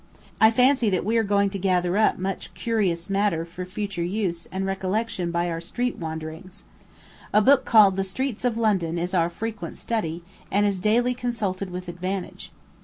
I fancy that we are going to gather up much curious matter for future use and recollection by our street wanderings. A book called "The Streets of London" is our frequent study, and is daily consulted with advantage.